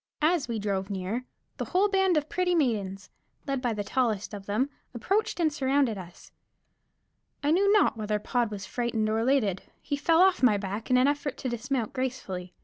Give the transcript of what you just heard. As we drove near, the whole band of pretty maidens, led by the tallest of them, approached and surrounded us. I knew not whether Pod was frightened or elated; he fell off my back in an effort to dismount gracefully.